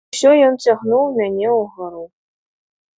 Усё ён цягнуў мяне ўгару.